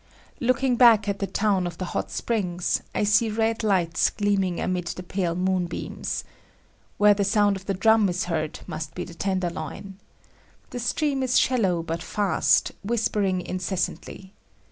Looking back at the town of the hot springs, I see red lights gleaming amid the pale moon beams. Where the sound of the drum is heard must be the tenderloin. The stream is shallow but fast, whispering incessantly.